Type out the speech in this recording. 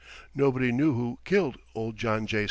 Nobody knew who killed old John J.